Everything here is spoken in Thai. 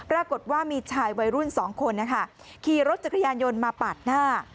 ปรากฏว่ามีชายวัยรุ่นสองคนนะคะขี่รถจักรยานยนต์มาปาดหน้า